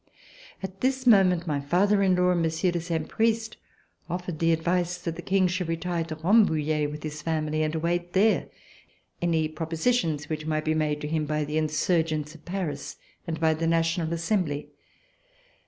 At this moment, my father in law and Monsieur de Saint Priest offered the advice that the King should retire to Rambouillet with his family and await there any propositions which might be made to him by the insurgents of Paris and by the National Assembly.